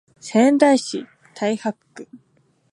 仙台市太白区